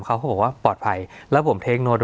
สวัสดีครับทุกผู้ชม